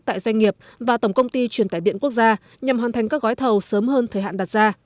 tại doanh nghiệp và tổng công ty truyền tải điện quốc gia nhằm hoàn thành các gói thầu sớm hơn thời hạn đặt ra